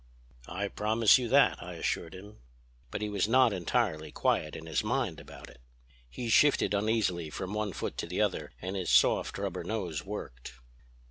"'I promise you that,' I assured him. "But he was not entirely quiet in his mind about it. He shifted uneasily from one foot to the other, and his soft rubber nose worked.